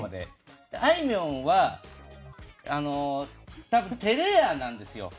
あいみょんは多分、照れ屋なんですよ。